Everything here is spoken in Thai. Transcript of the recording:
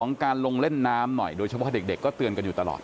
การลงเล่นน้ำหน่อยโดยเฉพาะเด็กก็เตือนกันอยู่ตลอด